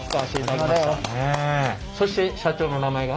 そして社長の名前が？